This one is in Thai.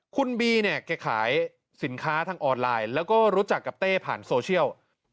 คุณบีเนี่ยแกขายสินค้าทางออนไลน์แล้วก็รู้จักกับเต้ผ่านโซเชียล